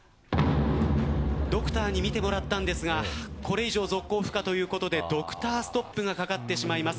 ドクターに見てもらったんですがこれ以上、続行不可ということでドクターストップがかかってしまいます。